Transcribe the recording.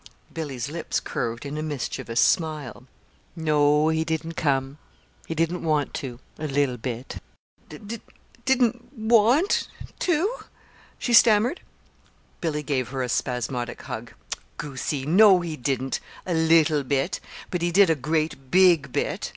Billy's lips curved in a mischievous smile. "No, he didn't come," she said. "He didn't want to a little bit." Marie grew actually pale. "Didn't want to!" she stammered. Billy gave her a spasmodic hug. "Goosey! No, he didn't a little bit; but he did a great big bit.